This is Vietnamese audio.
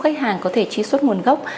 khách hàng có thể trí xuất nguồn gốc